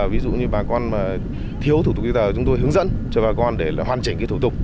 ví dụ như bà con mà thiếu thủ tục giấy tờ chúng tôi hướng dẫn cho bà con để hoàn chỉnh thủ tục